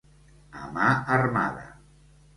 A mà armada.